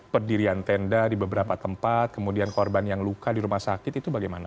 pendirian tenda di beberapa tempat kemudian korban yang luka di rumah sakit itu bagaimana